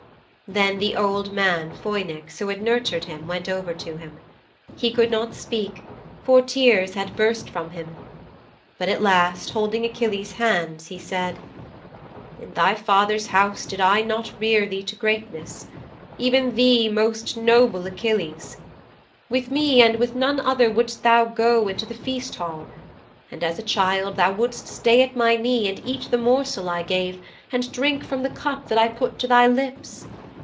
'Then the old man Phoinix who had nurtured him went over to him. He could not speak, for tears had burst from him. But at last, holding Achilles' hands, he said: '"In thy father's house did I not rear thee to greatness even thee, most noble Achilles. With me and with none other wouldst thou go into the feasthall, and, as a child, thou would'st stay at my knee and eat the morsel I gave, and drink from the cup that I put to thy lips.